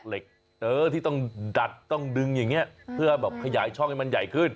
เหล็กที่ต้องดัดต้องดึงอย่างนี้เพื่อแบบขยายช่องให้มันใหญ่ขึ้น